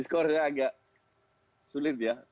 skornya agak sulit ya